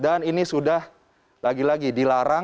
dan ini sudah lagi lagi dilarang